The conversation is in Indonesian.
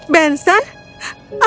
benson kau dari mana